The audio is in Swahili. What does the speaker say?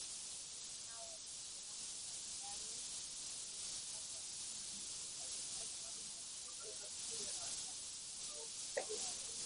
Kupe hawa wenye rangi mbalimbali huvipata viini hivyo kutoka kwa mnyama aliyeambukizwa wakati anapomnyonya